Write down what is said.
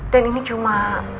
dan ini cuma